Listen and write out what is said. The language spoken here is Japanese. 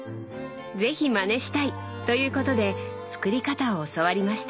是非まねしたい！ということで作り方を教わりました。